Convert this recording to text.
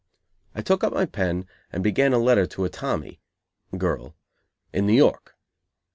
I took up my pen and began a letter to a Tommy (girl) in New York.